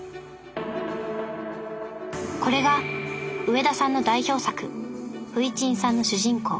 これが上田さんの代表作「フイチンさん」の主人公